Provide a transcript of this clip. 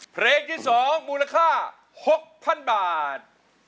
เพลงที่๒มูลค่า๖๐๐๐บาท